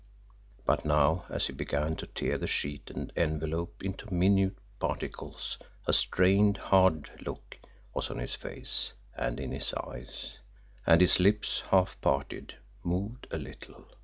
But now as he began to tear the sheet and envelope into minute particles, a strained, hard look was on his face and in his eyes, and his lips, half parted, moved a little.